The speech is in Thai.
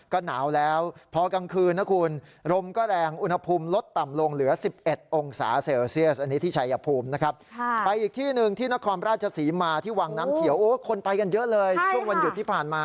ก็หนาวแล้วพอกลางคืนนะคุณ